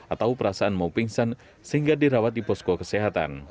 atau perasaan mau pingsan sehingga dirawat di posko kesehatan